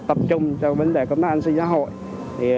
an sinh xã hội